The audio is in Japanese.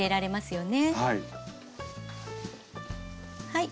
はい。